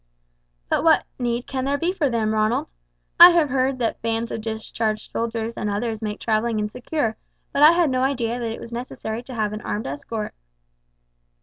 "But what need can there be for them, Ronald? I have heard that bands of discharged soldiers and others make travelling insecure; but I had no idea that it was necessary to have an armed escort."